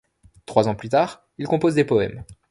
Trois ans plus tard, il compose des poèmes.